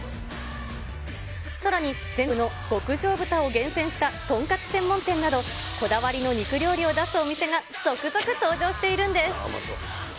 さらに全国の極上豚を厳選したとんかつ専門店など、こだわりの肉料理を出すお店が、続々登場しているんです。